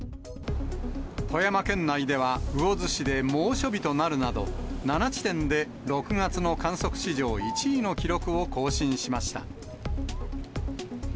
富山県内では魚津市で猛暑日となるなど、７地点で６月の観測史上１位の記録を更新しました。